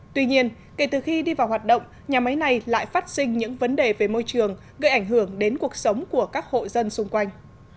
tuy nhiên kể từ khi đi vào hoạt động nhà máy này lại phát sinh những vấn đề về môi trường gây ảnh hưởng đến cuộc sống của các hộ dân xung quanh